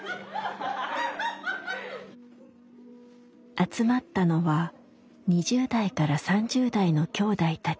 集まったのは２０代から３０代のきょうだいたち。